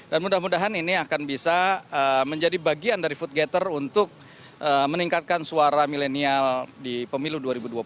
dan mudah mudahan ini akan bisa menjadi bagian dari foodgather untuk meningkatkan suara milenial di pemilu dua ribu dua puluh empat